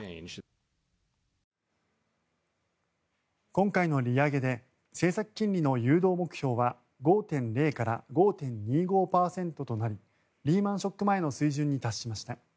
今回の利上げで政策金利の誘導目標は５．０から５．２５％となりリーマン・ショック前の水準に達しました。